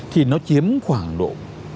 thì nó chiếm khoảng độ ba mươi bốn mươi